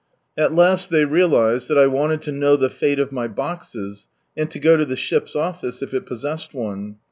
At last they realized that I wanted to know the fate of my boxes, and to go to the ship's office, if it possessed one.